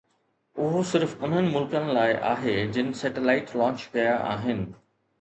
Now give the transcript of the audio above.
اهو صرف انهن ملڪن لاءِ آهي جن سيٽلائيٽ لانچ ڪيا آهن